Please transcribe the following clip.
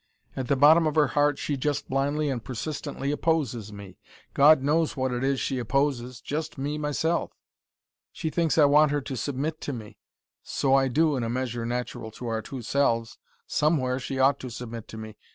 At the bottom of her heart she just blindly and persistently opposes me. God knows what it is she opposes: just me myself. She thinks I want her to submit to me. So I do, in a measure natural to our two selves. Somewhere, she ought to submit to me.